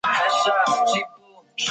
黑珍珠因其稀有而昂贵。